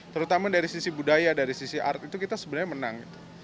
terutama dari sisi budaya dari sisi art itu kita sebenarnya menang